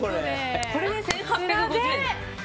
これで１８５０円。